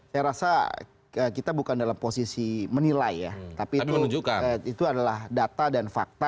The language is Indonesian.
saya rasa kita bukan dalam posisi menilai ya tapi itu adalah data dan fakta